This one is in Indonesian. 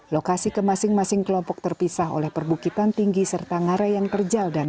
lokasi ke masing masing kelompok terpisah oleh perbukitan tinggi serta ngare yang terjal dan